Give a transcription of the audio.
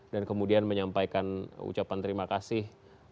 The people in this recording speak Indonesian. dan kemudian menyampaikan ucapan terima kasih